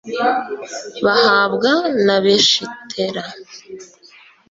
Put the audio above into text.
bahabwa na beshitera